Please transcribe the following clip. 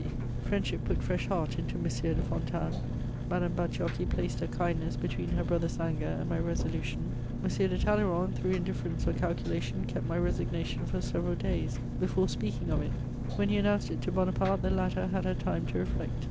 [Sidenote: I resign my Embassy.] Friendship put fresh heart into M. de Fontanes; Madame Bacciochi placed her kindness between her brother's anger and my resolution; M. de Talleyrand, through indifference or calculation, kept my resignation for several days before speaking of it: when he announced it to Bonaparte the latter had had time to reflect.